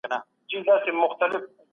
تاسي په اخیرت کي د جنت د نعمتونو هیله لرئ؟